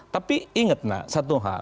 tapi ingatlah satu hal